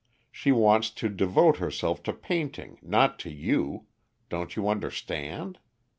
She wants to devote herself to painting, not to you don't you understand?